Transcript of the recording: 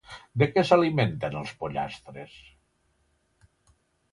De què s'alimenten els pollastres?